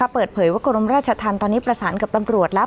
เปิดเผยว่ากรมราชธรรมตอนนี้ประสานกับตำรวจแล้ว